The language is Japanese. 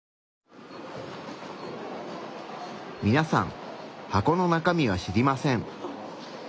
みなさん箱の中身は知りません。